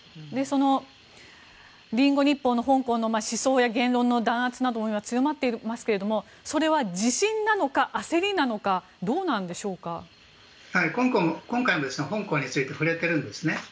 リンゴ日報の香港の思想や言論の弾圧なども強まっていますがそれは自信なのか焦りなのか今回も香港について触れているんですね。